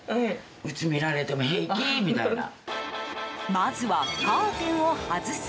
まずはカーテンを外す。